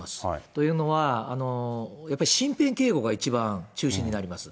というのは、やっぱり身辺警護が一番中心になります。